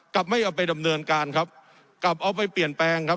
ไม่เอาไปดำเนินการครับกลับเอาไปเปลี่ยนแปลงครับ